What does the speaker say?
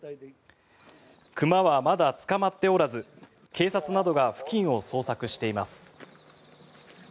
熊はまだ捕まっておらず警察などが付近を捜索しています。